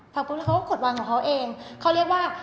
ปุ๊บเขาก็กดวางของเขาเองเขาเรียกว่า